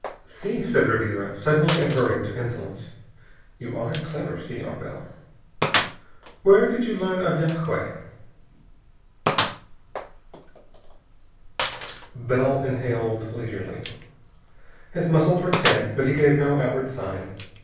"Si," said Ribiera, suddenly adverting to insolence. "You are clever, Senhor Bell. Where did you learn of yagué?" Bell inhaled leisurely. His muscles were tense, but he gave no outward sign.